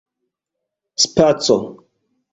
spaco